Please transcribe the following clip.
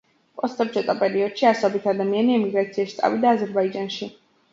პოსტსაბჭოთა პერიოდში ასობით ადამიანი ემიგრაციაში წავიდა აზერბაიჯანში.